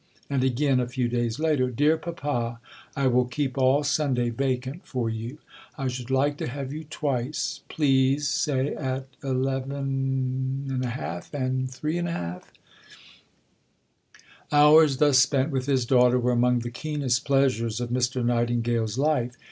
And again, a few days later: "Dear Papa, I will keep all Sunday vacant for you. I should like to have you twice, please, say at 11 1/2and 3 1/2." Hours thus spent with his daughter were among the keenest pleasures of Mr. Nightingale's life.